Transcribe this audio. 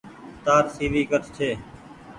تآر سي وي ڪٺ ڇي۔